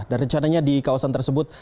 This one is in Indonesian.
dan rencananya di kawasan tersebut